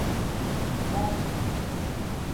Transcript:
ڎاٹ